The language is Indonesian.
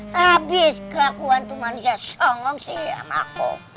habis kerakuan tuh manusia songong siang aku